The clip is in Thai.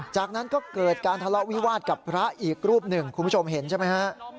จากนั้นก็เกิดการทะเลาะวิวาสกับพระอีกรูปหนึ่งคุณผู้ชมเห็นใช่ไหมฮะ